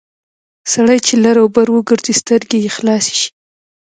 سړی چې لر او بر وګرځي سترګې یې خلاصې شي...